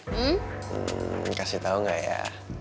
hmm kasih tau gak ya